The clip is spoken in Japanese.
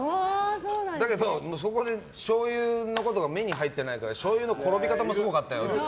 だけど、そこでしょうゆのことが目に入ってないからしょうゆの転び方もすごかったよ。